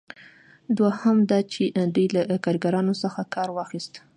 دوهم دا چې دوی له کاریګرانو څخه کار واخیست.